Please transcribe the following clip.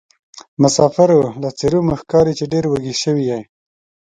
مسافرو له څېرومو ښکاري چې ډېروږي سوي یې.